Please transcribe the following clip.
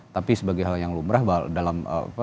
tapi sebagai hal yang lumrah dalam